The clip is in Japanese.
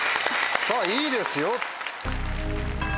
さぁいいですよ。